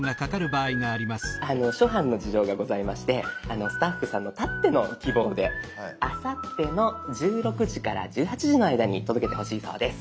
あの諸般の事情がございましてスタッフさんのたっての希望であさっての１６時から１８時の間に届けてほしいそうです。